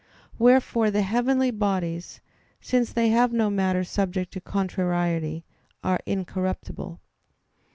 Wherefore the heavenly bodies, since they have no matter subject to contrariety, are incorruptible.